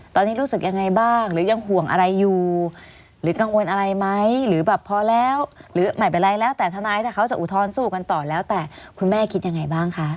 ตอนนี้รู้สึกยังไงบ้างหรือยังห่วงอะไรอยู่หรือกังวลอะไรไหมหรือแบบพอแล้วหรือไม่เป็นไรแล้วแต่ทนายถ้าเขาจะอุทธรณ์สู้กันต่อแล้วแต่คุณแม่คิดยังไงบ้างคะ